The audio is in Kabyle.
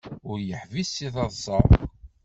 Ur yeḥbis seg teḍsa.